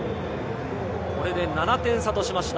これで７点差としました。